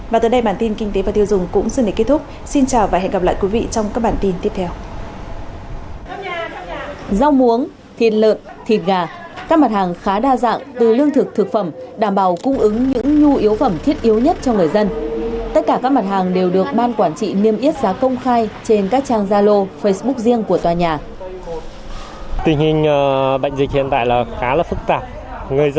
và từ đây bản tin kinh tế và tiêu dùng cũng xin để kết thúc xin chào và hẹn gặp lại quý vị trong các bản tin tiếp theo